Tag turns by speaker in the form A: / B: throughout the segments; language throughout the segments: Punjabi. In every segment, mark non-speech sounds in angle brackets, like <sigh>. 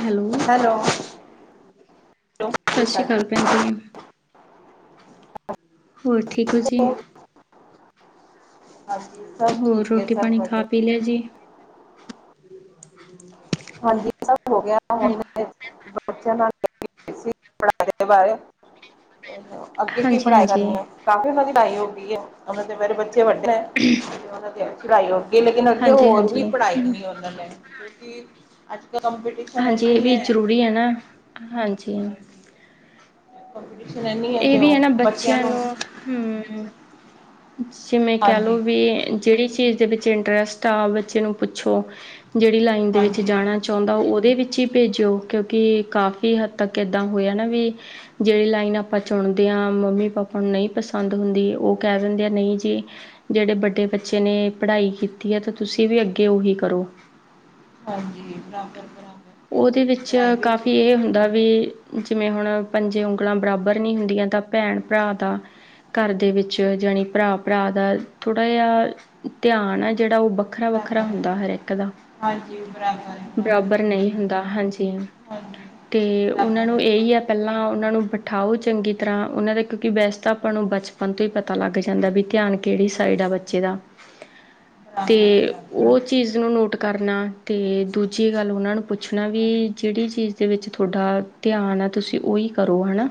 A: ਹੈਲੋ, ਸਤਿ ਸ੍ਰੀ ਅਕਾਲ। ਪੰਜੈਮ। ਹੋਰ ਠੀਕ ਓ ਜੀ।
B: ਹਾਂਜੀ ਸਭ
A: ਹੋਰ
B: ਠੀਕ ਹੈ
A: ਰੋਟੀ,
B: ਸਭ
A: ਪਾਨੀ
B: ਵਧੀਆ
A: ਖਾ-ਪੀ ਲਯਾ ਜੀ?
B: ਹਾਂਜੀ ਸਬ ਹੋਗਯਾ ਹੁਨ <unintelligible> ਬੱਚਯਾ ਨਾਲ ਪੜ੍ਹਾਈ ਬਾਰੇ ਅੱਗੇ ਕੀ
A: ਹਾਂਜੀ
B: ਪੜ੍ਹਾਈ
A: ਹਾਂਜੀ
B: ਕਰਨੀ ਆ। ਕਾਫੀ ਉਹਨਾਂ ਦੀ ਲਣਾਈ ਹੋਂਦੀ ਐ, ਓਹਨਾ ਦੇ ਮੇਰੇ ਬੱਚੇ ਵੱਡੇ ਹੈ <unintelligible> ਪੜਾਈ ਹੋਗੀ ਲੇਕਿਨ ਅੱਗੇ
A: ਹਾਂਜੀ
B: ਹੋਰ ਵੀ
A: ਹਾਂਜੀ
B: ਪੜਾਈ ਵੀ ਨੀ ਓਨਾਂ ਨੇ ਕਯੋਕਿ ਅਜ ਕਲ ਕਮਪੀਟਟੀਸ਼ਨ
A: ਹਾਂਜੀ ਇਹ
B: ਇਨੀ ਹੈ।
A: <unintelligible> ਨਾ, ਹਾਂਜੀ।
B: ਹਾਂਜੀ ਕੰਪੀਟੀਸ਼ਨ ਇੰਨੀ
A: ਇਹ
B: ਤੇ
A: ਵੀ
B: ਉਹ
A: ਹੈ ਨਾ ਬੱਚਿਆਂ ਨੂੰ ਹਮ। ਜਿਵੇਂ ਕਹਿ
B: ਹਾਂਜੀ
A: ਲਓ ਵੀ ਜਿਹੜੀ ਚੀਜ਼ ਦੇ ਵਿੱਚ ਇੰਟਰਸਟ ਆ ਬੱਚੇ ਨੂੰ ਪੁੱਛੋ। ਜੇੜੀ ਲਾਈਨ ਦੇ ਵਿੱਚ
B: ਹਾਂਜੀ
A: ਜਾਣੈ ਚੋਂਦਾ ਓਦੇ ਵਿੱਚ ਈ ਪੇਜੋ ਕਿਯੋਕਿ ਕਾਫ਼ੀ ਹੱਦ ਤੱਕ ਐਦਾ ਹੋਯਾ ਨਾ ਵੀ ਜੇੜੀ ਲਾਈਨ ਆਪਾ
B: ਹਾਂਜੀ
A: ਚੁਨਦੇ ਆਂ, ਮੰਮੀ-ਪਾਪਾ ਨੂੰ ਨਈ ਪਸੰਦ ਹੁੰਦੀ, ਓ ਕਹਿ ਦਿੰਦੇ ਆ ਨਹੀਂ ਜੀ। ਜੇਹੜੇ ਵੱਡੇ ਬੱਚੇ ਨੇ ਪੜ੍ਹਾਈ ਕੀਤੀ ਐ ਤੇ, ਤੁਸੀਂ ਵੀ ਅੱਗੇ ਓਹੀ ਕਰੋ।
B: ਹਾਂਜੀ ਬਰਾਬਰ ਬਰਾਬਰ।
A: ਓਹਦੇ ਵਿੱਚ ਕਾਫੀ ਏਹ ਹੁੰਦਾ ਵੀ ਜਿਵੇਂ ਹੁਣ ਪੰਜੇ ਉਂਗਲਾਂ ਬਰਾਬਰ ਨੀ ਹੁੰਦੀਆਂ ਤਾ ਪੈਣ-ਪਰਾ ਦਾ, ਘੱਰ ਦੇ ਵਿੱਚ ਜਣੀ ਪੱਰਾ, ਪੱਰਾ ਦਾ ਥੋੜਾ ਜਾ ਧਿਆਨ ਐ, ਜੇੜਾ ਓ ਵੱਖਰਾ -ਵੱਖਰਾ
B: ਬਰਾਬਰ ਹੈ
A: ਹੁੰਦਾ ਹਰ ਏਕ ਦਾ
B: ਹਾਂਜੀ ਬਰਾਬਰ ਹੈ
A: <inaudible> ਬਰਾਬਰ ਨਹੀਂ ਹੁੰਦਾ, ਹਾਂਜੀ।
B: ਹਾਂਜੀ
A: ਤੇ ਉਹਨਾਂ
B: ਬਰਾਬਰ
A: ਨੂੰ
B: ਰਹਿੰਦੇ ਹਾਂ
A: ਇਹੀ ਹੈ ਪਹਿਲਾਂ ਉਹਨਾਂ ਨੂੰ ਬਿਠਾਓ ਚੰਗੀ ਤਰ੍ਹਾਂ ਉਹਨਾਂ ਦਾ ਕਿਉਂਕਿ ਵੈਸ ਤਾਂ ਆਪਾਂ ਨੂੰ ਬਚਪਨ? ਆਪਾਂ ਤੋਂ ਹੀ ਪਤਾ ਲੱਗ ਜਾਂਦਾ ਵੀ ਧਿਆਨ? ਕਿਹੜੀ ਸਾਈਡ ਆ ਬੱਚੇ
B: ਹਾਂਜੀ
A: ਦਾ ਤੇ
B: ਬਰਾਬਰ ਹੈ ਬਰਾਬਰ
A: ਉਹ?
B: ਹੈ
A: ਚੀਜ਼ ਨੂੰ ਨੋਟ ਕਰਨਾ, ਤੇ ਦੂਜੀ ਗਾੱਲ ਓਨਾਂ ਨੂੰ ਪੁੱਛਨਾ ਵੀ
B: ਹਾਂਜੀ
A: ਜੇੜੀ ਚੀਜ਼ ਤੇ ਵਿੱਚ ਥੋੱਡਾ ਧਿਆਨ ਆ, ਤੁਸੀ ਓਈ ਕਰੋ, ਹੈਣਾ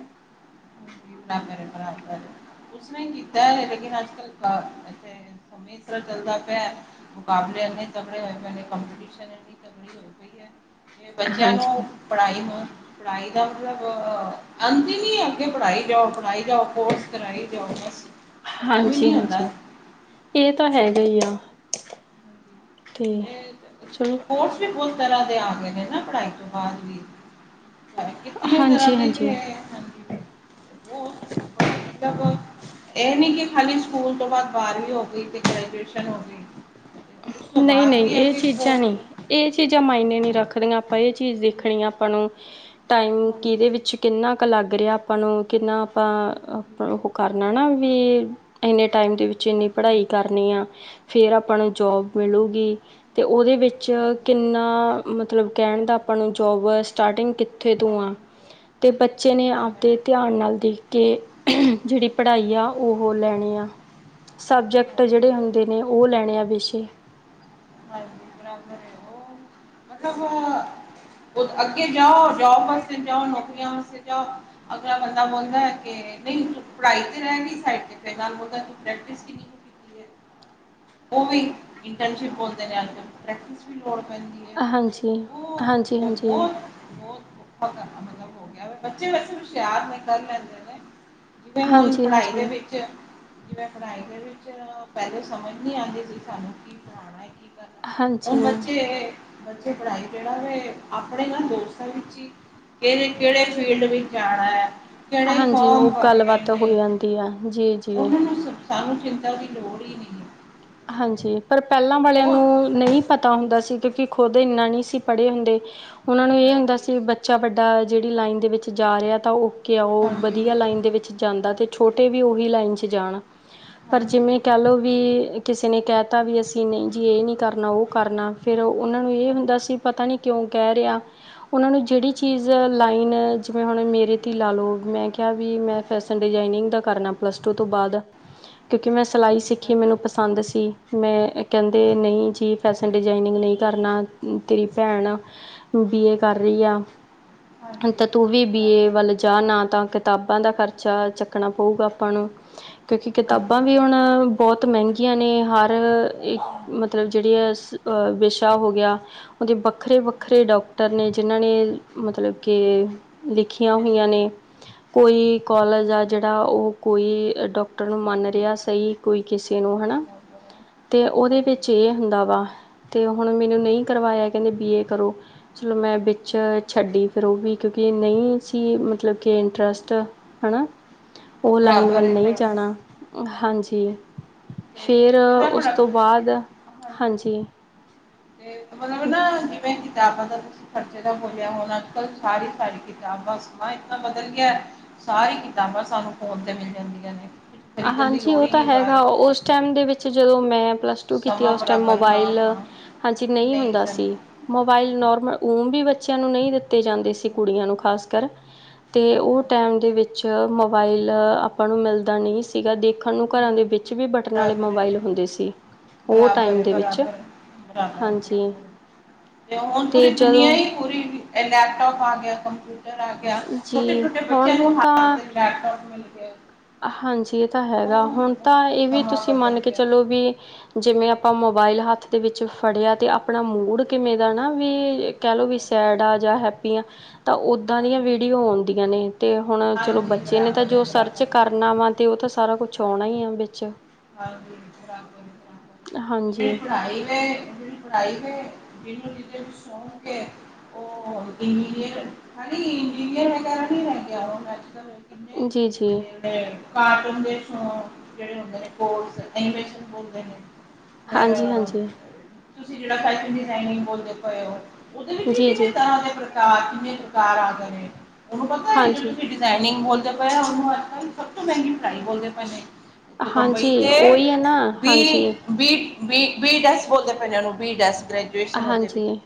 B: <unintelligible> ਕੂਛ ਨਹੀ ਕੀਤਾ ਏ ਲੇਕਿਨ, ਅੱਜ-ਕੱਲ <unintelligible> ਜਿਸਤਰਾ ਚੱਲਦਾ ਪਿਆ ਮੁਕਾਬਲੇੇ ਤਗੜੇ ਹੋਏ ਪ ਕਪਟੀਸ਼ਨ।
A: <inaudible>
B: ਤੇ ਬੱਚਿਆਂ
A: ਹਾਂਜੀ।
B: ਨੂੰ। ਪੜ੍ਹ ਪੜ੍ਹਾਈ ਦਾ ਮਤਲਬ ਅੰਤ ਨਹੀਂ ਅਗੇ ਪੜ੍ਹਾਈ? ਜਾਓ ਪੜਾਈ ਜਾਓ ਕੋਰਸ ਕਰਾਈ ਜਾਓ ਬਸ ਖਤਮ ਹੀ ਨਹੀਂ
A: ਹਾਂਜੀ-ਹਾਂਜੀ
B: ਹੁੰਦਾ।
A: ਇਹ ਤਾਂ
B: ਤੇ-
A: ਹੈਗਾ ਹੀ ਆ। ਤੇ ਚਲੋ
B: ਕੋਰਸ ਵੀ ਬਹੁਤ ਤਰ੍ਹਾਂ ਦੇ ਆ ਗਏ ਹੈ ਨਾ ਪੜ੍ਹਾਈ ਤੋਂ ਬਾਅਦ ਵੀ। ਕਿਤਨ ਤਰ੍ਹਾਂ ਦੇ
A: ਹਾਂਜੀ-ਹਾਂਜੀ
B: ਹੈ ਹਾਂਜੀ ਪੜਾਈ? ਏ ਨੀ ਕਿ ਖਾਲੀ ਸਕੂਲ ਤੋ ਬਾਦ ਬਾਰਵੀ ਹੋਗੀ, ਤੇ ਗ੍ਰੈਜੂਏਸ਼ਨ ਹੋਗੀ।
A: ਨਹੀਂ ਨਹੀਂ ਇਹ ਚੀਜ਼ਾਂ
B: ਕੋਰਸ
A: ਨਹੀਂ।
B: ਨੇ
A: ਇਹ ਚੀਜ਼ਾਂ ਮਾਇਨੇ ਨੀ ਰੱਖਦੀਆਂ ਆਪਾਂ ਇਹ ਚੀਜ਼ ਦੇਖਣੀ ਆ ਆਪਾਂ ਨੂੰ ਟਾਈਮ
B: ਹਾਂਜੀ
A: ਕਿਦੇ ਵਿੱਚ? ਕਿੰਨਾ ਕ ਲੱਗ ਰੇਆ ਆਪਾ ਨੂੰ, ਕਿੰਨਾ
B: ਹਾਂਜੀ
A: ਆਪਾ ਓ ਕਾਰਨੈ ਨਾ ਵੀ ਏਨੇ ਟਾਈਮ ਦੇ ਵਿੱਚ ਏਨੀ
B: ਹਾਂਜੀ
A: ਪੜਾਈ ਕਰਨੀ ਆ, ਫੇਰ ਆਪਾ ਨੂੰ ਜੋਬ ਮਿਲੁਗੀ। ਤੇ ਓਹਦੇ ਵਿੱਚ
B: ਹਾਂਜੀ ਹਾਂਜੀ
A: ਕਿੰਨਾ ਮਤਲਬ ਕਹਿਣ ਦਾ, ਆਪਾਂ ਨੂੰ ਜੋਬ ਵ ਸਟਾਰਟਿੰਗ
B: ਹਾਂਜੀ।
A: ਤੇ ਬੱਚੇ ਨੇ ਆਪਦੇ ਧਿਆਨ ਨਾਲ ਦੇਖ ਕੇ। <unintelligible> ਜੇਹੜੀ ਪੜ੍ਹਾਈ ਆ, ਓਹੋ ਲੈਣੀ ਆਂ। ਸਬਜੈਕਟ
B: ਹਾਂਜੀ
A: ਜਿਹੜੇ
B: ਸਰ,
A: ਹੁੰਦੇ ਨੇ ਉਹ ਲੈਣੇ ਆ ਵਿੇਸ਼ੇ।
B: ਹਾਂਜੀ <unintelligible> ਮਤਲਬ ਅੱਗੇ ਜਾਓ ਜੋਬ ਵਾਸਤੇ ਜਾਓ ਨੌਕਰੀਆਂ ਵਾਸਤੇ ਜਾਓ। ਅਗਲਾ ਬੰਦਾ ਬੋਲਦਾ ਕਿ ਨਹੀਂ ਪੜ੍ਹਾਈ ਤੇ ਰਹਿ ਗਈ ਸਡ ਤੇ ਤੂੰ ਪ੍ਰੈਕਟਿਸ?
A: <inaudible>
B: ਓਵੀ ਇੰਟਰਨਸ਼ਿਪ ਬੋਲਦੇ ਨੇ <unintelligible> ਪ੍ਰੈਕਟਿਸ ਵੀ ਲੋੜ ਪੈਂਦੀ
A: ਹਾਂਜੀ। ਹਾਂਜੀ,
B: ਮੁੂਮ ਮਾਓ
A: ਹਾਂਜੀ,
B: ਬਹੁਤ ਮਤਲਬ ਹੋ ਗਿਆ, ਬੱਚੇ ਵੈਸੇ ਹੁਸ਼ਿਆਰ ਨੇ ਕਰ ਲੈਂਦੇ ਨੇ। ਜਿਵੇਂ, ਹੁਣ
A: ਹਾਂਜੀ,
B: ਪੜ੍ਹਾਈ ਦੇ
A: ਹਾਂਜੀ।
B: ਵਿੱਚ। ਜਿਵੇਂ ਪੜ੍ਹਾਈ ਦੇ ਵਿੱਚ, ਪਹਿਲੇ ਸਮਝ ਨੀ ਆਉਂਦੀ ਸੀ ਸਾਨੂੰ, ਕਿ ਪੁੜ੍ਹਣਾ? ਕ ਹੁਣ,
A: ਹਾਂਜੀ,
B: ਬੱਚੇ- ਬੱਚੇ ਪੜ੍ਹਾਈ ਜਿਹੜਾ ਏ ਆਪਣੇ ਨਾ ਦੋਸਤਾਂ ਵਿੱਚ ਹੀ, ਕਿਹੜੇ -ਕਿਹੜੇ ਫੀਲਡ ਵਿੱਚ ਜਾਣਾ ਆ। ਜਿਹੜੇ,
A: ਹਾਂਜੀ
B: ਫੋਮ
A: ਉਹ
B: ਭਰਨੇ
A: ਗੱਲਬਾਤ ਹੋ
B: ਨੇ,
A: ਜਾਂਦੀ ਆ ਜੀ, ਜੀ।
B: ਉਹਨਾਂ ਨੂੰ? ਸਾਨੂੰ, ਚਿੰਤਾ ਦੀ ਲੋੜ ਹੀ ਨਈ ਐ।
A: ਹਾਂਜੀ, ਪਰ ਪਹਿਲਾ ਵਾਲਿਆ
B: ਬਹੁਤ
A: ਨੂੰ, ਨਹੀ ਪਤਾ ਹੁੰਦਾ ਸੀ। ਕਿਉਕਿ, ਖੁਦ ਏਨਾ ਨਹੀਂ ਸੀ ਪੜ੍ਹੇ ਹੁੰਦੇ, ਉਹਨਾਂ ਨੂੰ ਏਹ ਹੁੰਦਾ
B: ਹਾਂਜੀ
A: ਸੀ ਬ ਬੱਚਾ ਵੱਡਾ, ਜਿਹੜੀ ਲਾਈਨ ਦੇ ਵਿੱਚ ਜਾ ਰਿਹਾ ਤਾਂ ਓਕੇ ਆ, ਉਹ
B: ਹਾਂਜੀ
A: ਵਧੀਆ ਲਾਈਨ ਦੇ ਵਿੱਚ? ਜਾਂਦਾ ਤੇ ਛੋਟੇ ਵੀ, ਓਹੀ ਲਾਈਨ ਚ ਜਾਣਾ, ਪਰ ਜਿਵੇਂ
B: ਹਾਂਜੀ
A: ਕੈਲੋ ਵੀ ਕਿਸੇ ਨੇ ਕਹਿ ਤਾ ਵੀ, ਅਸੀਂ ਨਹੀਂ ਜੀ ਇਹ ਨਹੀਂ ਕਰਨਾ, ਉਹ ਕਰਨਾ ਫਿਰ ਉਹਨਾਂ ਨੂੰ ਇਹ
B: ਹਾਂਜੀ
A: ਹੁੰਦਾ, ਸੀ ਪਤਾ ਨਹੀਂ? ਕਿਉਂ ਕਹਿ ਰਹੇ ਹਾਂ? ਓਨਾਂ ਨੂੰ ਜੇੜੀ ਚੀਜ਼, ਲਾਈਨ ਜਿਵੇਂ ਹੁਨ ਮੇਰੇ ਤੇ ਈ ਲਾਲੋ, ਮੈਂ ਕੇਆ ਵੀ ਮੈਂ ਫੈਸਨ ਡਿਜ਼ਾਇਨਿੰਗ ਦਾ ਕਰਨਾ, ਪਲਸ ਟੂ ਤੋ ਬਾਦ ਕਉ ਕਿ, ਮੈਂ ਸਿਲਾਈ
B: ਹਾਂਜੀ
A: ਸਿੱਖੀ,
B: ਕਰਾਂਗਾ
A: ਮੈਨੂੰ ਪਸੰਦ ਸੀ, ਮੈਂ ਕਹਿੰਦੇ,
B: ਹਾਂਜੀ
A: ਨਹੀਂ ਜੀ ਫੈਸ਼ਨ ਡਿਜ਼ਾਇਨਿੰਗ ਨਹੀਂ, ਕਰਨਾ ਤੇਰੀ ਭੈਣ? ਬੀਏ, ਕਰ ਰਹੀ ਆ
B: ਹਾਂਜੀ
A: ਤਾਂ ਤੂੰ ਵੀ, ਬੀ ਏ
B: ਬਰਾਬਰ ਹੈ
A: ਵੱਲ? ਜਾਂ, ਨਾ ਤਾਂ ਕਿਤਾਬਾਂ ਦਾ ਖਰਚਾ, ਚੱਕਣਾ ਪਊਗਾ ਆਪਾਂ ਨੂੰ। ਕਉਂ ਕਿ, ਕਿਤਾਬਾ
B: ਹਾਂਜੀ
A: ਵੀ ਹੁਣ
B: ਕਰਾਂਗਾ
A: ਬੋਤ ਮੈਂਗੀ ਜਨੀ, ਹਰ ਇੱਕ
B: ਹਾਂਜੀ
A: ਮਤਲਬ ਜਿੜੀਆਂ ਆ ਵਿਸ਼ਾ ਹੋ ਗਿਆ ਉਹਦੇ, ਵੱਖਰੇ -ਵੱਖਰੇ ਡਾਕਟਰ ਨੇ ਜਿਨਾਂ ਨੇ ਮਤਲਬ ਕੇ? ਲਿਖੀਆਂ ਹੋਈਆਂ
B: ਹਾਂਜੀ
A: ਨੇ। ਕੋਈ ਕੋਲੇਜ
B: ਹਾਂ,
A: ਆ, ਜੇਹੜਾ ਓਹ ਕੋਈ ਡਾਕਟਰ ਨੂੰ ਮੰਨ ਰੇਹਾ ਸਹੀ, ਕੋਈ ਕਿਸੇ ਨੂੰ ਹਨਾ
B: ਬਰਾਬਰ ਹੈ
A: ਤੇ ਉਹਦੇ,
B: ਹਾਂਜੀ
A: ਵਿੱਚ ਇਹ
B: ਹਾਂਜੀ
A: ਹੁੰਦਾ ਵਾ, ਤੇ ਹੁਣ ਮੈਨੂੰ ਨਹੀਂ ਕਰਵਾਇਆ ਕਹਿੰਦੇ, ਬੀਏ ਕਰੋ? ਚਲੋ ਮੈਂ, ਵਿੱਚ ਛੱਡੀ ਫਿਰ ਉਹ ਵੀ ਕਿਉਂਕਿ, ਨਹੀਂ ਸੀ ਮਤਲਬ ਕਿ ਇੰਟਰਸਟ? ਹਨਾ, ਉਹ ਲਾਈਨ
B: ਬਰਾਬਰ
A: ਵੱਲ
B: ਹੈ
A: ਨਹੀਂ
B: ਬਰਾਬਰ
A: ਜਾਣਾ। ਹਾਂਜੀ,
B: ਤੇ
A: ਫਿਰ
B: ਇਹਦਾ
A: ਉਸ
B: ਬੜਾ
A: ਤੋਂ ਬਾਅਦ ਹਾਂਜੀ।
B: ਮੱਤਲਬ ਨਾ, ਜਿਵੇ ਕਿਤਾਬਾਂ ਦਾ ਖਰਚੇ ਦਾ ਬੋਲਿਆ ਹੁਣ ਅੱਜ- ਕੱਲ੍ਹ, ਸਾਰੀ -ਸਾਰੀ ਕਿਤਾਬਾਂ ਸਮਾਂ ਇਨਾ ਬਦਲ ਗਿਆ। ਸਾਰੀ ਕਿਤਾਬਾਂ, ਸਾਨੂੰ ਫੋਨ ਤੇ ਮਿਲ ਜਾਂਦੀਆਂ ਨੇ।
A: ਆ
B: ਖਰੀਦਣ ਦੀ
A: ਹਾਂਜੀ,
B: ਲੋੜ
A: ਓ
B: ਹੀ
A: ਤਾ
B: ਨਹੀਂ
A: ਹੈਗਾ,
B: ਬਾਹਰ
A: ਓਸ ਟਾਈਮ ਦੇ ਵਿੱਚ ਜਦੋ ਮੈਂ ਪਲੱਸ ਟੂ ਕੀਤੀ,
B: ਸਮਾਂ
A: ਓਸ ਟਾਈਮ
B: ਬਰਾਬਰ ਹਾਂ
A: ਮੋਬਾਇਲ,
B: ਹਾਂ
A: ਹਾਂਜੀ, ਨਈ
B: ਨਹੀਂ
A: ਹੁੰਦਾ
B: ਸਨ
A: ਸੀ। ਮੋਬਾਇਲ
B: ਹਾਂਜੀ
A: ਨੋਰਮਲ, ੳ ਵੀ ਬੱਚਿਆਂ ਨੂੰ ਨਹੀਂ ਦਿੱਤੇ ਜਾਂਦੇ ਸੀ, ਕੁੜੀਆਂ,
B: ਹਾਂ
A: ਨੂੰ ਖ਼ਾਸ ਕਰ ਅਤੇ, ਉਹ ਟਾਈਮ ਦੇ ਵਿੱਚ ਮੋਬਾਈਲ ਆਪਾਂ ਨੂੰ, ਮਿਲਦਾ ਨਹੀਂ ਸੀ। ਸੀਗਾ ਦੇਖਣ ਨੂੰ, ਘਰਾਂ
B: ਨਹੀਂ
A: ਦੇ ਵਿੱਚ ਵੀ ਬਟਨ ਵਾਲੇ,
B: ਬਰਾਬਰ ਹੈ
A: ਮੋਬਾਈਲ ਹੁੰਦੇ ਸੀ। ਓ
B: ਬਰਾਬਰ
A: ਟਾਈਮ
B: ਹੈ
A: ਦੇ ਵਿੱਚ,
B: ਬਰਾਬਰ ਹੈ ਬਰਾਬਰ ਹੈ
A: ਹਾਂਜੀ।
B: ਬਰਾਬਰ ਹੈ। ਤੇ ਹੁਣ ਪੂਰੀ ਦੁਨਆ ਹੀ, ਪੂਰੀ ਲੈਪਟੋਪ ਆ, ਗਿਆ ਕੰਪਿ? ਜਾ ਲੈ ਕੇ ਆ, ਛੋਟੇ,
A: ਜੀ
B: ਛੋਟੇ ਬੱਚਿਆਂ
A: ਹੁਣ
B: ਨੂੰ,
A: ਤਾਂ
B: ਲੈਪਟੋਪ ਮਿਲ ਗਿਆ।
A: ਹਾਂਜੀ, ਏਹ ਤਾਂ ਹੈਗਾ,
B: ਉਹ
A: ਹੁਣ
B: ਬਹੁਤ
A: ਤਾਂ ਏਹ ਵੀ
B: ਸਮਾਂ
A: ਤੁਸੀਂ
B: ਬਦਲ
A: ਮੰਨ ਕੇ
B: ਗਿਆ
A: ਚਲੋ ਵੀ। ਜਿਵੇਂ ਆਪਾਂ, ਮੋਬਾਇਲ ਹੱਥ ਦੇ ਵਿੱਚ ਫੜਿਆ, ਅਤੇ ਆਪਣਾ ਮੂਡ, ਕਿਵੇਂ ਦਾ ਨਾ ਵੀ? ਕਹਿ ਲਓ ਵੀ, ਸੈਡ ਆਂ, ਜਾਂ ਹੈਪੀ ਆਂ। ਤਾ ਓੱਦਾ ਦੀਆਂ,
B: ਹਾਂਜੀ
A: ਵੀਡੀਓ ਔਂਦੀਆਂ ਨੇ, ਤੇ ਹੁਣ ਚਲੋ
B: ਹਾਂਜੀ
A: ਬੱਚੇ ਨੇ, ਤਾ
B: ਬਰਾਬਰ ਹੈ
A: ਜੋ ਸਰਚ ਕੀਤਾ
B: ਬਰਾਬਰ ਹੈ।
A: ਕਾਰਨਾ ਵਾ, ਤੇ ਓਤੇ ਸਾਰਾ ਕੁਛ ਔਣਾ, ਈ ਆ ਵਿੱਚ
B: <unintelligible> <inaudible>
A: ਹਾਂਜੀ
B: ਪੜਾਈ ਦੇ, ਜਿਨੂੰ ਕਿਤੇ ਸ਼ੌਂਕ ਏ ਉਹ ਇੰਜੀਰੀਅਰ ਹ ਨੀ, ਇੰਜੀਨੀਅਰ ਹੈਗਾ ਕੀ ਲੈ ਕੇ ਆਵਾ ਮੈਂ?
A: ਜੀ -ਜੀ।
B: ਕਾਰਟੂਨ ਦੇ ਫੋਨ, ਜਿਹੜੇ ਹੁੰਦੇ ਨੇ ਬੋਲਸ ਫੇਰ
A: ਹਾਂਜੀ ਹਾਂਜੀ
B: <inaudible> ਤੁਸੀ ਜੇਹਣਾ ਫੈਸ਼ਨ-ਡਿਜਾ਼ਇਨਿੰਗ ਬੋਲਦੇ ਪਏ ਔ, ਓਹਦ
A: ਜੀ- ਜੀ <inaudible>
B: ਦੇ ਪ੍ਰਕਾਰ, ਕਿੰਨੇ ਪ੍ਰਕਾਰ ਆ ਗਏ ਨੇ, ਉਹਨੂੰ ਪਤਾ ਹੈ ਜੋਂ
A: ਹਾਂਜੀ
B: ਤੁਸੀ <unintelligible> <unintelligible> ਬੋਲਦੇ ਪਏ ਆ ਉਹਨੂੰ ਅੱਜ ਕਲ ਸਬਤੋਂ ਮਹਿੰਗੀ ਫਰਾਈ ਬੋਲਦੇ ਪਏ ਨੇ। <inaudible> ਬੰਬਈ
A: ਹਾਂਜੀ
B: ਤੇ
A: ਉਹੀ ਹੈ ਨਾ
B: <inaudible> ਬੀ
A: ਹਾਂਜੀ
B: B B B dash dash ਬੋਲਦੇ ਪਏ ਨੂੰ ਬੀ ਡੱਸ ਗ੍ਰ
A: ਹਾਂਜੀ,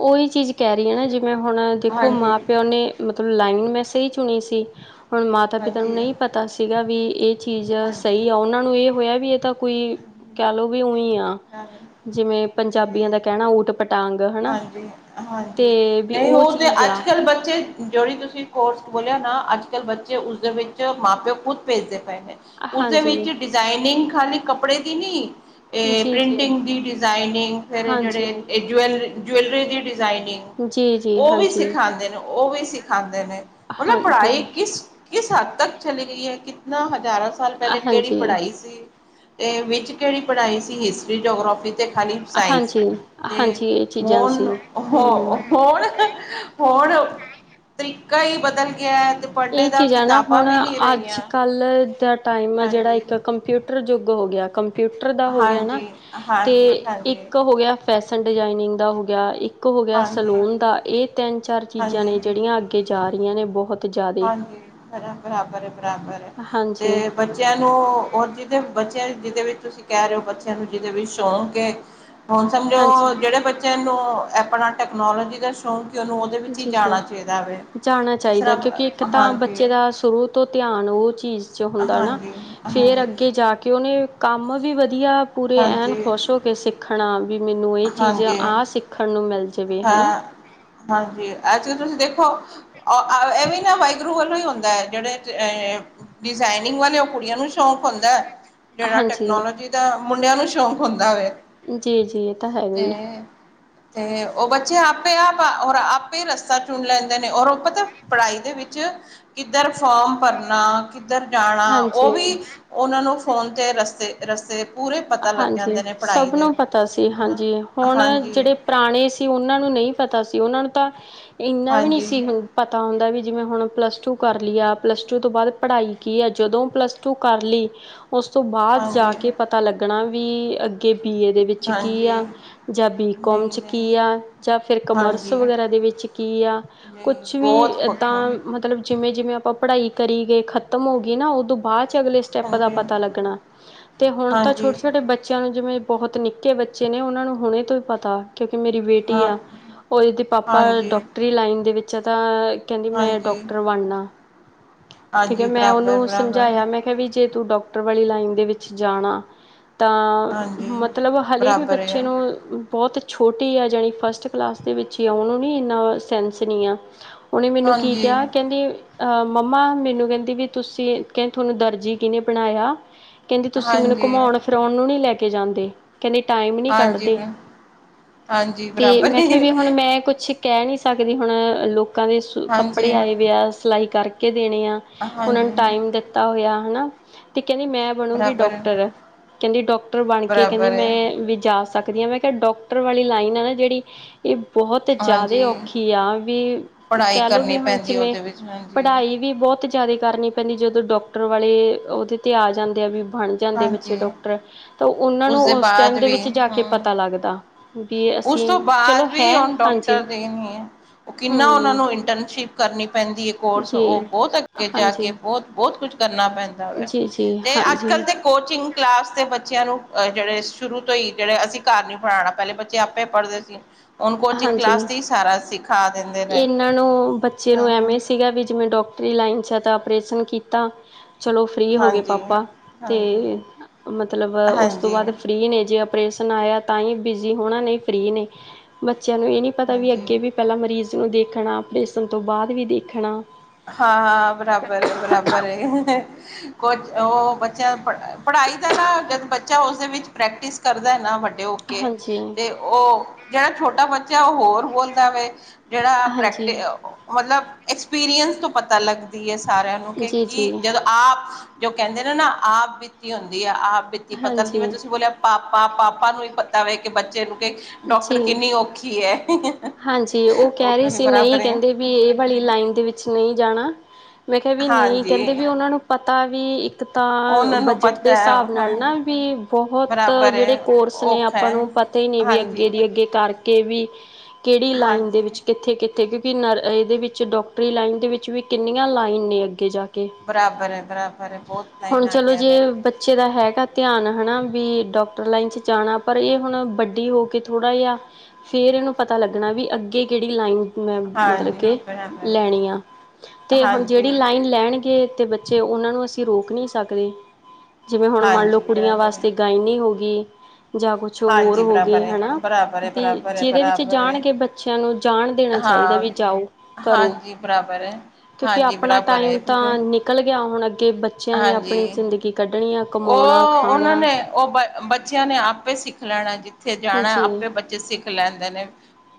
A: ਔਈ ਚੀਜ਼ ਕੈਰੀ ਆਨ ਨਾ, ਜਿਵੇਂ ਹੁਣ ਦੇਖੋ
B: ਹਾਂਜੀ
A: ਮਾਂ ਪਿਓ ਨੇ ਮਤਲਬ ਲਾਈਨ ਮੈਂ ਸਹੀ ਚੁਣੀ ਸੀ। ਹੁਣ ਮਾਤਾ ਪਿਤਾ ਨੂੰ
B: ਹਾਂਜੀ
A: ਨਹੀਂ ਪਤਾ ਸੀਗਾ ਵੀ ਇਹ ਚੀਜ਼
B: ਹਾਂਜੀ
A: ਸਹੀ ਆ ਉਹਨਾਂ ਨੂੰ ਏਹ ਹੋਇਆ ਵੀ ਏਹ ਤਾਂ ਕੋਈ ਕੇਹ ਲੋਓ ਵੀ ਉਵੇਈ ਆ,
B: ਹਾਂਜੀ।
A: ਜਿਵੇਂ ਪੰਜਾਬੀਆਂ ਦਾ
B: ਤੇ
A: ਕਹਿਣਾ ਊਟ ਪਟਾਂਗ ਹਨਾ।
B: ਹਾਂਜੀ- ਹਾਂਜੀ
A: ਤੇ ਵੀ
B: ਨ ਈ
A: ਉਹ
B: ਔ ਤੇ
A: ਚੀਜ਼
B: ਅੱਜ
A: ਆ
B: ਕੱਲ ਬੱਚੇ ਜਿਹੜੀ ਤੁਸੀਂ ਕੋਰਸ ਬੋਲਿਆ ਨਾ ਅੱਜ ਕੱਲ ਬੱਚੇ ਉਸਦੇ ਵਿੱਚ ਮਾਂ ਪਿਓ ਖੁਦ ਭੇਜਦੇ ਪਏ ਨੇ। ਓਸਦੇ
A: ਹਾਂਜੀ
B: ਵਿੱਚ ਡਿਜ਼ਾਇਨਿੰਗ ਖਾਲੀ ਕਪੜੇ ਦੀ ਨੀ, ਏਹ
A: ਜੀ-ਜੀ
B: ਪ੍ਰਿੰਟਿੰਗ ਦੀ ਡਿਜ਼ਾਇਨਿੰਗ ਫਿਰ ਏਹ
A: ਹਾਂਜੀ
B: ਜਿਹੜੇ ਜਵੈਲ ਜਵੈਲਰੀ ਦੀ ਡਿਜ਼ਾਇਨਿੰਗ।
A: ਜੀ-ਜੀ
B: ਓਹ ਵੀ
A: ਹਾਂਜੀ।
B: ਸਿਖਾਂਦੇ ਨੇ- ਓਹ ਵੀ ਸਿਖਾਂਦੇ ਨੇ, ਮਤਲਬ
A: ਹਾਂਜੀ,
B: ਪੜ੍ਹਾਈ ਕਿਸ ਕਿਸ ਹੱਦ ਤੱਕ ਚਲੀ ਗਈ ਏ ਕਿਤਨਾ ਹਜ਼ਾਰਾਂ ਸਾਲ ਪਹਿਲੇ ਕਿਹੜੀ
A: ਹਾਂਜੀ,
B: ਪੜ੍ਹਾਈ ਸੀ। ਤੇ ਵਿੱਚ ਕਿਹੜੀ ਪੜ੍ਹਾਈ ਸੀ ਹਿਸਟਰੀ ਜੋਗਰਾਫੀ ਤੇ ਖਾਲੀ ਸਾਇੰਸ
A: ਹਾਂਜੀ,
B: <unintelligible> ਤੇ
A: ਹਾਂਜੀ ਇਹ ਚੀਜ਼ਾਂ
B: ਹੂਨ?
A: ਸੀ
B: ਹੋ
A: ਹੂੰ।
B: ਹੋਣ ਹੋਣ ਤਰੀਕਾ ਹੀ ਬਦਲ ਗਿਆ।
A: ਇਹ
B: ਪੜ੍ਹਨੇ ਦਾ
A: ਚੀਜਾਂ ਨਾ
B: ਕਿਤਾਬਾਂ
A: ਹੁਣ
B: ਵੀ ਨਹੀਂ
A: ਅੱਜ
B: ਰਹੀਆਂ
A: -ਕੱਲ ਦਾ ਟਾਈਮ ਆਂ, ਜੇਹੜਾ
B: ਹਾਂਜੀ
A: ਏਕ ਕੰਪਿਊਟਰ ਜੂ਼ਗ ਹੋ ਗਿਆ, ਕੰਪਿਊਟਰ ਦਾ ਹੋ ਗਿਆ ਨਾ
B: ਹਾਂਜੀ
A: ਅਤੇ
B: ਹਾਂਜੀ ਹਾਂਜੀ
A: ਇੱਕ ਹੋ ਗਿਆ ਫੈਸ਼ਨ ਡਿਜ਼ਾਇਨਿੰਗ ਦਾ ਹੋ ਗਿਆ ਇੱਕ ਹੋ ਗਿਆ
B: ਹਾਂਜੀ
A: ਸਲੂਨ ਦਾ ਇਹ ਤਿੰਨ ਚਾਰ ਚੀਜ਼ਾਂ
B: ਹਾਂਜੀ
A: ਨੇ ਜਿਹੜੀਆਂ ਅੱਗੇ ਕੇ ਜਾ ਰਹੀਆਂ ਨੇ ਬਹੁਤ ਜ਼ਿਆਦੇ
B: ਹਾਂਜੀ ਬਰਾਬਰ ਹੈ ਬਰਾਬਰ ਹੈ
A: ਹਾਂਜੀ
B: ਤੇ ਬੱਚੇਆਂ ਨੂੰ ਓ ਜਿਹਦੇ ਬੱਚੇਆਂ, ਜਿਹਦੇ ਵਿੱਚ ਤੁਸੀਂ ਕਹਿ ਰਹੇ ਹੋ, ਬੱਚੇਆਂ ਨੂੰ ਜਿਹਦੇ ਵਿੱਚ ਸ਼ੌਕ ਏ। ਹੁਣ
A: ਹਾਂਜੀ
B: ਸਮਝੋ ਜਿਹੜੇ ਬੱਚਿਆਂ ਨੂੰ ਆਪਣਾ ਟੈਕਨੋਲੋਜੀ ਦੱਸ ਓ- ਉਹਨੂੰ ਓਹਦੇ ਵਿੱਚ ਹੀ
A: ਜੀ
B: ਜਾਣਾ
A: ਜੀ
B: ਚਾਹੀਦਾ ਵੈ,
A: ਜਾਣਾ
B: ਜਿਸ
A: ਚਾਹੀਦਾ
B: ਤਰ੍ਹਾਂ
A: ਕਿਉਂਕਿ ਇੱਕ ਤਾਂ ਬੱਚੇ
B: ਹਾਂਜੀ
A: ਦਾ ਸ਼ੁਰੂ ਤੋਂ ਧਿਆਨ ਉਹ ਚੀਜ਼। ਹੁੰਦਾ ਨਾ
B: ਹਾਂਜੀ,
A: ਫੇਰ
B: ਹਾਂਜੀ,
A: ਅੱਗੇ ਜਾ ਕੇ ਉਹਨੇ ਕੰਮ ਵੀ ਵਧੀਆ ਪੂਰੇ ਐਨ
B: ਹਾਂਜੀ,
A: ਖੁਸ਼ ਹੋ ਕਿ ਸਿੱਖਣਾ ਵੀ ਮੈਨੂੰ ਇਹ ਚੀਜ਼
B: ਹਾਂਜੀ,
A: ਆਹ ਸਿੱਖਣ ਨੂੰ ਮਿਲ ਜਾਵੇ ਹਨਾ।
B: ਹਾਂ। ਹਾਂਜੀ ਅੱਜ ਤੁਸੀਂ ਦੇਖੋ, ਅ-ਆ ਏਹ ਵੀ ਨਾ ਵਾਹਿਗੁਰੂ ਵੱਲੋਂ ਹੀ ਹੁੰਦਾ ਐ ਜਿਹੜੇ ਏ ਡਿਜ਼ਾਇਨਿੰਗ ਵਾਲੇ ਉਹ ਕੁੜੀਆਂ ਨੂੰ ਸ਼ੌਂਕ ਹੁੰਦਾ ਜਿਹੜਾ
A: ਹਾਂਜੀ
B: ਟੈਕਨੋਲੋਜੀ ਤਾਂ ਮੁੰਡਿਆਂ ਨੂੰ ਸ਼ੌਕ ਹੁੰਦਾ ਵੇ।
A: ਜੀ -ਜੀ ਏਹ ਤਾਂ ਹੈਗਾ ਹੀ ਏ।
B: ਤੇ ਤੇ ਔ ਬੱਚੇ ਆਪੇ ਆਪ ਹੋਰ ਆਪੇ ਹੀ ਰਸਤਾ ਚੁਣ ਲੈਂਦੇ ਨੇ ਔਰ ਉਹ ਪਤਾ ਪੜ੍ਹਾਈ ਦੇ ਵਿੱਚ ਕਿੱਧਰ ਫੋਮ ਭਰਨਾ। ਕਿੱਧਰ ਜਾਣਾ ਉਹ
A: ਹਾਂਜੀ
B: ਵੀ ਉਹਨਾਂ ਨੂੰ ਫੋਨ ਤੇ ਰਸਤੇ ਰਸਤੇ ਪੂਰੇ ਪਤਾ ਲੱਗ
A: ਹਾਂਜੀ,
B: ਜਾਂਦੇ ਨੇ ਪੜ੍ਹਾਈ
A: ਸਭ
B: ਦੇ
A: ਨੂੰ ਪਤਾ ਸੀ, ਹਾਂਜੀ ਹੁਣ
B: ਹਾਂਜੀ
A: ਜੇਹੜੇ ਪੁਰਾਣੇ ਸੀ ਉਹਨਾਂ ਨੂੰ ਨਹੀਂ ਪਤਾ ਸੀ ਉਹਨਾਂ ਨੂੰ ਤਾਂ ਇੰਨਾ ਵੀ ਨਹੀਂ
B: ਹਾਂਜੀ
A: ਸੀ ਹੁ ਪਤਾ ਹੁੰਦਾ ਵੀ ਜਿਵੇਂ ਹੁਣ ਪਲੱਸ-ਟੂ ਕਰ ਲੀ ਆ ਪਲੱਸ-ਟੂ ਤੋਂ ਬਾਅਦ ਪੜ੍ਹਾਈ ਕੀ ਆ ਜਦੋਂ ਪਲੱਸ ਤੂੰ ਕਰ ਲਈ ਓਸ ਤੋਂ ਬਾਅਦ ਜਾ
B: ਹਾਂਜੀ
A: ਕੇ ਪਤਾ ਲੱਗਣਾ ਵੀ ਅੱਗੇ ਬੀਏ ਦੇ ਵਿੱਚ ਕੀ
B: ਹਾਂਜੀ
A: ਆ, ਜਾਂ ਬੀਕੋਮ
B: ਨਹੀਂ
A: ਚ
B: ਨਹੀਂ
A: ਕੀ ਆ, ਜਾਂ ਫਿਰ ਕਾਮਰਸ
B: ਹਾਂਜੀ
A: ਵਗੈਰਾ ਦੇ ਵਿੱਚ ਕੀ ਆ
B: ਨਹੀਂ
A: ਕੁਛ ਵੀ
B: ਬਹੁਤ ਵੱਖਰਾ
A: ਏਦਾਂ ਮਤਲਬ ਜਿਵੇਂ -ਜਿਵੇਂ, ਆਪਾਂ ਪੜ੍ਹਾਈ ਕਰੀ ਗਏ ਖ਼ਤਮ ਹੋ ਗਈ ਨਾ ਉਦੋਂ ਬਾਅਦ 'ਚ ਅਗਲੇ ਸ <unintelligible> ਦਾ
B: ਹਾਂਜੀ
A: ਪਤਾ ਲੱਗਣਾ ਤੇ ਹੁਣ
B: ਹਾਂਜੀ
A: ਛੋਡੇ ਬੱਚਿਆਂ ਨੂੰ ਜਿਵੇਂ ਬਹੁਤ ਨਿੱਕੇ ਬੱਚੇ ਨੇ ਉਹਨਾ ਨੂੰ ਹੁਣੇ ਤੋਂ ਹੀ ਪਤਾ। ਕਿਉਂਕਿ ਮੇਰੀ ਬੇਟੀ
B: ਹਾਂ
A: ਆ ਓਦੇ ਤੇ ਪਾਪਾ
B: ਹਾਂਜੀ
A: ਡਾਕਟਰੀ ਲਾਈਨ ਦੇ ਵਿੱਚ ਆ ਤਾਂ ਕਹਿੰਦੀ ਮੈਂ
B: ਹਾਂਜੀ
A: ਡੋਕਟਰ ਬਣਨਾ। ਠੀਕ ਐ
B: ਹਾਂਜੀ
A: ਮੈਂ
B: ਬਰਾਬਰ
A: ਉਹਨੂੰ
B: ਬਰਾਬਰ
A: ਸਮਝਾਇਆ ਮੈਂ ਕਿਹਾ ਵੀ ਜੇ ਤੂੰ ਡੋਕਟਰ ਵਾਲੀ ਲਾਈਨ ਦੇ ਵਿੱਚ ਜਾਣਾ ਤਾਂ
B: ਹਾਂਜੀ
A: ਮਤਲਬ ਹਲੇੇ ਵੀ
B: ਬਰਾਬਰ
A: ਬੱਚੇ
B: ਆ
A: ਨੂੰ। ਬੋਤ ਛੋਟੀ ਆ ਜਾਣੀ ਫਸਟ ਕਲਾਸ ਦੇ ਵਿੱਚ ਈ ਆ ਔਨੂੰ ਨੀ ਏਨਾ ਸੈਂਸ ਨ ਈ ਆ ਔਨੇ ਮੈਨੂੰ ਕੀ
B: ਹਾਂਜੀ
A: ਕਿਹਾ ਕੈਂਦੇ ਅਹਮ ਮੰਮਾ ਮੈਨੂੰ ਕਹਿੰਦੀ ਵੀ ਤੁਸੀਂ ਕਹਿੰ ਤੁਹਾਨੂੰ ਦਰਜੀ ਕਿਹਨੇ ਬਣਾਇਆ? ਕੈਂਦੀ ਤੁਸੀਂ ਮੈਨੂੰ
B: ਹਾਂਜੀ
A: ਘੁਮਾਉਣ ਫਿਰਾਉਣ ਨੂੰ ਨੀ ਲੈ ਕੇ ਜਾਂਦੇ ਕਹਿਣੀ ਟਾਈਮ ਨੀ
B: ਹਾਂਜੀ
A: ਕੱਢਦੇ
B: ਹਾਂਜੀ
A: ਤੇ
B: ਬਰਾਬਰ
A: ਮੈਂ ਕਿਹਾ ਵੀ ਹੁਣ ਮੈਂ ਕੁਛ। ਕਹਿ ਨੀ ਸਕਦੀ ਹੁਣ, ਲੋਕਾਂ ਦੇ ਸੁ
B: ਹਾਂਜੀ
A: ਕੱਪੜੇ ਆਏ ਵੀ ਆ ਸਿਲਾਈ ਕਰਕੇ ਦੇਣੇ ਆ ਉਹਨਾਂ ਨੂੰ
B: ਹਾਂਜੀ
A: ਟਾਈਮ ਦਿੱਤਾ ਹੋਇਆ ਹਨਾ ਤੇ ਕਹਿੰਦੀ ਮੈਂ। ਬਣੂਗੀ
B: ਬਰਾਬਰ
A: ਡਾਕਟਰ ਕਹਿੰਦੀ ਡਾਕਟਰ ਬਣ ਕੇ ਕਹਿੰਦੀ
B: ਬਰਾਬਰ ਹੈ
A: ਮੈਂ ਵੀ ਜਾ ਸਕਦੀ ਹਾਂ ਮੈਂ ਤੇ ਡਾੱਕਟਰ ਵਾਲੀ ਲਾਈਨ ਆਂ ਨਾ ਜਿਹੜੀ ਏਹ ਬਹੁਤ ਜ਼ਿਆਦਾ ਈ
B: ਹਾਂਜੀ
A: ਔਖੀ ਆ ਵੀ
B: ਪੜ੍ਹਾਈ
A: ਕਹਿ ਲਓ ਵੀ
B: ਕਰਨੀ
A: ਹੁਣ
B: ਪੈਂਦੀ
A: ਜਿਵੇਂ
B: ਉਹਦੇ ਵਿੱਚ ਹਾਂਜੀ
A: ਪੜ੍ਹਾਈ ਵੀ ਬੋਤ ਜਾਦੇ ਕਰਨੀ ਪੈਂਦੀ ਐ ਜਦੋਂ ਡੋਕਟਰ ਵਾਲੇ ਉਹਦੇ ਤੇ ਆ ਜਾਂਦੇ ਆ ਵੀ ਬਣ ਜਾਂਦੇ ਬੱਚੇ
B: ਹਾਂਜੀ
A: ਡਾਕਟਰ ਤਾਂ ਉਹਨਾਂ ਨੂੰ
B: ਉਸਦੇ
A: ਉਸ ਟਾਈਮ
B: ਬਾਅਦ
A: ਦੇ
B: ਵੀ
A: ਵਿੱਚ ਜਾ ਕੇ
B: ਹਮ
A: ਪਤਾ ਲੱਗਦਾ। ਵੀ
B: ਉਸ
A: ਅਸੀਂ
B: ਤੋਂ
A: ਚਲੋ
B: ਬਾਅਦ
A: ਹੈ
B: ਵੀ ਹੁਨ
A: ਹਾਂਜੀ
B: ਡਾਕਟਰ ਨੇ ਹੂੰ। ਕਿੰਨਾ ਉਹਨਾਂ
A: ਹੂੰ
B: ਨੂੰ ਇੰਟਨਸ਼ਿਪ ਕਰਨੀ ਪੈਂਦੀ ਐਂ। ਕੋਰਸ
A: ਜੀ
B: ਔਹ ਬੋਤ ਅੱਗੇ ਜਾ ਕੇ
A: ਹਾਂਜੀ
B: ਬੋਤ -ਬੋਤ ਕੁਛ ਕਰਨਾ ਪੈਂਦਾ ਵੈ,
A: ਜੀ ਜੀ
B: ਤੇ ਅੱਜ
A: ਹਾਂਜੀ
B: ਕੱਲ ਦੇ ਕੋਚਿੰਗ ਕਲਾਸ ਦੇ ਬੱਚਿਆਂ ਨੂੰ ਅ ਜਿਹੜੇ ਸ਼ੁਰੂ ਤੋਂ ਹੀ ਜਿਹੜੇ ਅਸੀਂ ਘਰ ਨੀ ਪੜ੍ਹਾਣਾ ਪਹਿਲੇ ਬੱ ਆਪੇ ਪੜ੍ਹਦੇ ਸੀ ਹੁਣ ਕੋਚਿੰਗ
A: ਹਾਂਜੀ
B: ਕਲਾਸ ਤੇ ਹੀ ਸਾਰਾ ਸਿਖਾ ਦਿੰਦੇ। ਨੇ।
A: ਇਹਨਾਂ ਨੂੰ ਬੱਚੇ ਨੂੰ
B: ਹਾਂ ਹਾਂ
A: ਐਵੇਂ ਸੀਗਾ ਵੀ ਜਿਵੇਂ ਡੋਕਟਰੀ ਲਾਈਨ 'ਚ ਤਾਂ ਆਪਓਰੇਸ਼ਨ ਕੀਤਾ। ਚਲੋ ਫਰੀ ਹੋ ਗਏ
B: ਹਾਂਜੀ
A: ਪਾਪਾ ਤੇ
B: ਹਾਂਜੀ
A: ਮਤਲਬ ਉਸ ਤੋਂ
B: ਹਾਂਜੀ
A: ਬਾਅਦ ਫਰੀ ਨੇ ਜੇ ਪ੍ਰੇਸ਼ਨ ਆਇਆ ਤਾਂ ਹੀ ਬਿਜ਼ੀ ਹੋਣਾਨਹੀਂ ਫਰੀ ਨੇ, ਬੱਚਿਆਂ ਨੂੰ ਏਹ ਨੀ ਪਤਾ ਵੀ
B: ਹਾਂਜੀ
A: ਅੱਗੇ ਵੀ ਪੈਂਲਾਂ ਮਰੀਜ਼ ਚਲੋ ਦੇਖਣਾ ਅਪਰੇਸਨ ਤੋਂ ਬਾਅਦ ਵੀ ਦੇਖਣਾ।
B: ਹਾਂ ਹਾਂ ਬਰਾਬਰ ਏ ਬਰਾਬਰ ਏ ਕੁਛ ਉਹ ਬੱਚਿਆਂ ਪੜ੍ਹਾਈ ਦਾ ਨਾ ਜਦ ਬੱਚਾ ਉਸਦੇ ਵਿੱਚ ਪ੍ਰੈਕਟਿਸ ਕਰਦਾ ਨਾ ਵੱਡੇ ਹੋ
A: ਹਾਂਜੀ
B: ਤੇ ਉਹ ਜਿਹੜਾ ਛੋਟਾ ਬੱਚਾ ਉਹ ਹੋਰ ਬੋਲਦਾ ਵੇ। ਜੇਹੜਾ ਪ੍ਰੈਕਟੀ
A: ਹਾਂਜੀ
B: ਅ-ਓ ਮਤਲਬ ਐਕਸਪੀਰੀਅੰਸ ਤੋਂ ਪਤਾ ਲੱਗ ਸਾਰਿਆਂ ਨੂੰ ਕਿ
A: ਜੀ ਜੀ
B: ਕੀ ਜਦੋਂ ਆਪ ਜੋ ਕਹਿੰਦੇ ਨਾ -ਨਾ ਆਪ ਬੀਤੀ ਹੁੰਦੀ ਹੈ ਆਪ ਵਿੱਚ ਹੀ ਪਤਾ ਜਿਵੇਂ
A: ਹਾਂਜੀ
B: ਤੁਸੀਂ ਬੋਲਿਆ ਪਾਪਾ- ਪਾਪਾ ਨੂੰ ਹੀ ਪਤਾ ਵੇ ਕਿ ਬੱਚੇ ਨੂੰ ਡਾਕਟਰ
A: ਜੀ
B: ਕਿੰਨੀ ਔਖੀ ਹੈ
A: ਹਾਂਜੀ ਉਹ ਕਹਿ ਰਹੇ ਸੀ ਨਹੀਂ ਕਹਿੰਦੇ
B: <unintelligible>
A: ਵੀ ਇਹ ਵਾਲੀ ਲਾਈਨ ਦੇ ਵਿੱਚ ਨਹੀਂ ਜਾਣਾ। ਮੈਂ ਕਿਹਾ ਵੀ ਨਹੀਂ ਕਹਿੰਦੇ
B: ਹਾਂਜੀ
A: ਵੀ ਉਹਨਾਂ ਨੂੰ ਪਤਾ ਵੀ ਇਕ ਤਾਂ
B: ਉਹਨਾਂ ਨੂੰ
A: ਬਜਟ ਦੇ
B: ਪਤਾ ਹੈ
A: ਹਿਸਾਬ
B: ਹਾਂ
A: ਨਾਲ ਨਾ ਵੀ ਬਹੁਤ
B: ਬਰਾਬਰ
A: ਜਿਹੜੇ
B: ਹੈ
A: ਕੋਰਸ ਨੇ
B: ਔਖਾ
A: ਆਪਾਂ
B: ਹੈ
A: ਨੂੰ ਪਤਾ ਹੀ ਨੀ ਵੀ ਅੱਗੇ
B: ਹਾਂਜੀ
A: ਤੇ ਅੱਗੇ ਕਰਕੇ ਵੀ ਕੇੜੀ ਲਾਈਨ ਦੇ
B: ਹਾਂਜੀ
A: ਵਿੱਚ ਕਿੱਥੇ ਕਿਥ ਤੇ ਕਿਉਂਕਿ ਨਾਲ ਇਹਦੇ ਵਿੱਚ ਡੋਕਟਰੀ ਲਾਈਨ ਦੇ ਵਿੱਚ ਵੀ ਕਿੰਨੀਆਂ ਲਾਈਨ ਨੇ ਅੱਗੇ ਜਾ ਕ
B: ਬਰਾਬਰ ਐ- ਬਰਾਬਰ ਐ ਬਹੁਤ ਲਾਈਨਾਂ ਗਈਆਂ।
A: ਪਿੱਛੇ ਦਾ ਹੈਗਾ ਧਿਆਨ ਹਨਾ ਵੀ ਡਾਕਟਰ ਲਾਈਨ 'ਚ ਜਾਣਾ ਪਰ ਇਹ ਹੁਣ ਵੱਡੀ ਹੋ ਕੇ ਥੋੜਾ ਜਿਹਾ, ਫੇਰ ਏਨੂੰ ਪਤਾ ਲੱਗਨਾ ਵੀ ਅੱਗੇ ਕੇੜੀ ਲਾਈਨ ਮੈਂ ਮਤਲਬ
B: ਹਾਂਜੀ
A: ਕੇ
B: ਬਰਾਬਰ ਹੈ
A: ਲੈਣੀ ਆ ਤੇ ਹੁਣ
B: ਹਾਂਜੀ
A: ਜਿਹੜੀ ਲਾਈਨ ਲੈਣਗੇ ਤੇ ਬੱ ਚੇ ਉਹਨਾਂ ਨੂੰ ਅਸੀਂ ਰੋਕ ਨੀ ਸਕਦੇ। ਜਿਵੇਂ ਹੁਣ ਮੰਨ ਲਓ
B: ਹਾਂਜੀ
A: ਕੁੜੀਆਂ
B: ਬਰਾਬਰ ਹੈ
A: ਵਾਸਤੇ ਗਾਇਨੀ ਹੋ ਗਈ ਜਾਂ ਕੁਛ ਹੋਰ
B: ਹਾਂਜੀ
A: ਹੋ
B: ਬਰਾਬਰ
A: ਗੀ
B: ਹੈ
A: ਹਨਾ।
B: ਬਰਾਬਰ ਹੈ
A: ਵੀ
B: ਬਰਾਬਰ ਹੈ
A: ਜਿਹਦੇ ਵਿੱਚ
B: ਬਰਾਬਰ ਹੈ
A: ਜਾਣਗੇ ਬੱਚਿਆਂ ਨੂੰ ਜਾਣ ਦੇਣਾ ਚਾਹੀਦਾ
B: ਹਾਂ
A: ਵੀ ਜਾਓ ਕਰੋ।
B: ਹਾਂਜੀ ਬਰਾਬਰ ਹੈ
A: ਕਿਉਂਕਿ
B: ਹਾਂਜੀ
A: ਆਪਣਾ
B: ਬਰਾਬਰ
A: ਟਾਈਮ
B: ਹੈ ਬਿਲਕੁਲ
A: ਤਾਂ ਨਿਕਲ ਗਿਆ ਹੁਣ ਅੱਗੇ ਬੱਚਿਆਂ ਨੇ ਆਪਣੀ ਜ਼ਿੰਦਗੀ ਕੱਢਣੀ ਆਂ।
B: ਓਹ ਓਹਨਾਂ ਨੇ ਓਹ ਬ ਬੱਚਿਆਂ ਨੇ ਆਪੇ ਸਿੱਖ ਲੈਣਾ ਜਿ ਕਿਥੇ ਜਾਣਾ
A: ਜੀ
B: ਆਪੇ ਬੱਚੇ ਸਿੱਖ ਲੈਂਦੇ ਨੇ।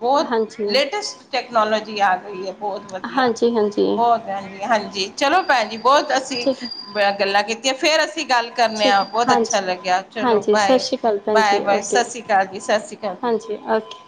B: ਬਹੁਤ
A: ਹਾਂਜੀ
B: ਲੇਟੈਸਟ ਟੈਕਨੋਲੋਜੀ ਆ ਗਈ ਹੈ ਬਹੁਤ ਵਧੀਆ
A: ਹਾਂਜੀ ਹਾਂਜੀ
B: ਬਹੁਤ ਹਾਂਜੀ- ਹਾਂਜੀ ਚਲੋ ਭੈਣ ਜੀ ਬਹੁਤ ਅਸੀਂ
A: ਠੀਕ ਹੈ
B: ਬ ਗੱਲਾਂ ਕੀਤੀਆਂ ਫੇਰ ਅਸੀਂ ਗੱਲ ਕਰਨੇ ਆ
A: ਠੀਕ ਹੈ
B: ਬਹੁਤ ਅੱਛਾ
A: ਹਾਂਜੀ
B: ਲੱਗਿਆ ਚਲੋ
A: ਹਾਂਜੀ ਸਤਿ
B: ਬਾਏ-
A: ਸ਼੍ਰੀ ਅਕਾਲ ਭੈਣ ਜੀ
B: ਬਾਏ-ਬਾਏ ਸਤਿ ਸ੍ਰੀ ਅਕਾਲ ਜੀ ਸਤਿ ਸ਼੍ਰੀ ਅਕਾਲ ਜੀ।
A: ਓ ਕੇ।